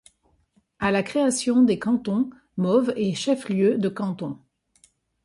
À la création des cantons, Mauves est chef-lieu de canton.